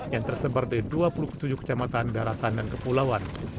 yang tersebar di dua puluh tujuh kecamatan daratan dan kepulauan